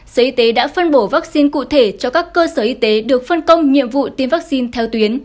sở y tế đã phân bổ vaccine cụ thể cho các cơ sở y tế được phân công nhiệm vụ tiêm vaccine theo tuyến